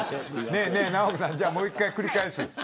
直子さん、じゃあもう一回繰り返す。